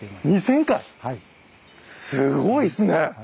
２，０００回⁉すごいですね！